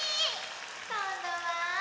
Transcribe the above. こんどは。